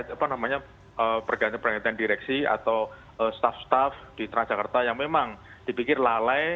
apa namanya pergantian pergantian direksi atau staff staff di transjakarta yang memang dipikir lalai